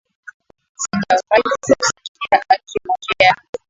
Sijawahi kumsikia akiongea